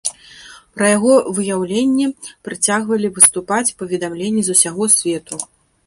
Пра яго выяўленне працягвалі паступаць паведамленні з усяго свету.